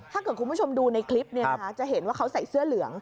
ถ้าเกิดคุณผู้ชมดูในคลิปจะเห็นว่าเขาใส่เสื้อเหลือง